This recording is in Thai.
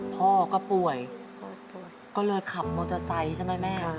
พ่อก็ป่วยก็เลยขับมอเตอร์ไซค์ใช่ไหมแม่